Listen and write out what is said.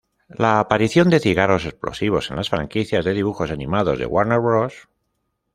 La aparición de cigarros explosivos en las franquicias de dibujos animados de Warner Bros.